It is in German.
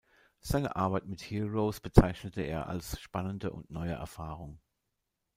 Seine Arbeit mit "Heroes" bezeichnete er als spannende und neue Erfahrung.